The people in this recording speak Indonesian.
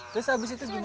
terus abis itu gimana